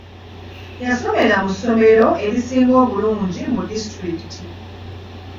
Yasomera mu ssomero erisinga obulungi mu disitulikiti.